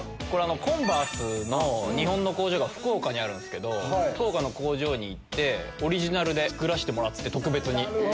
コンバースの日本の工場が福岡にあるんですけど福岡の工場に行ってオリジナルで作らせてもらって特別に。